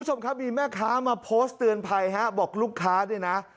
คุณผู้ชมครับมีแม่ค้ามาโพสต์เตือนภัยฮะบอกลูกค้าเนี่ยนะ